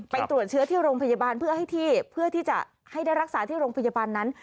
ตรวจเชื้อที่โรงพยาบาลเพื่อให้ที่เพื่อที่จะให้ได้รักษาที่โรงพยาบาลนั้น